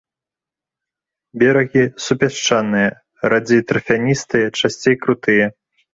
Берагі супясчаныя, радзей тарфяністыя, часцей крутыя.